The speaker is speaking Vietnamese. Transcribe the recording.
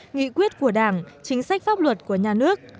nghị quyết của đảng chính sách pháp luật của nhà nước